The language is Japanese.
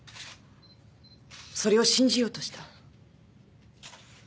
それを信じようとした。